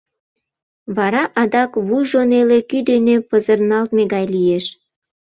Вара адак вуйжо неле кӱ дене пызырналтме гай лиеш...